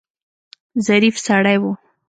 ظریف سړی و.